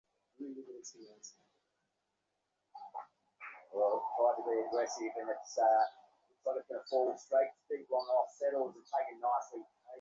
আর-কাহাকেও ডাকিয়া আনিতে হইবে?